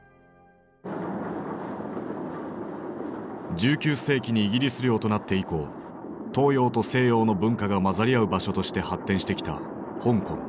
１９世紀にイギリス領となって以降東洋と西洋の文化が混ざり合う場所として発展してきた香港。